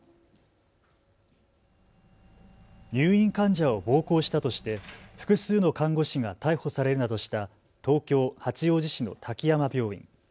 入院患者を暴行したとして複数の看護師が逮捕されるなどした東京八王子市の滝山病院。